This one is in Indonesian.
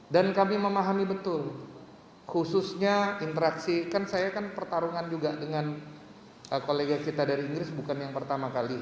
dan kami memahami betul khususnya interaksi kan saya kan pertarungan juga dengan kolega kita dari inggris bukan yang pertama kali